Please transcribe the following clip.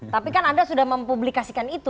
tapi kan anda sudah mempublikasikan itu